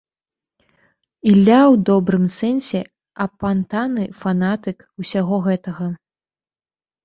Ілля ў добрым сэнсе апантаны, фанатык усяго гэтага.